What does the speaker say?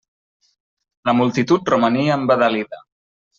La multitud romania embadalida.